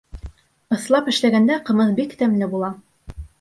Ыҫлап эшләгәндә ҡымыҙ бик тәмле була.